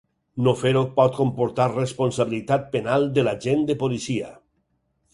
No fer-ho pot comportar responsabilitat penal de l’agent de policia.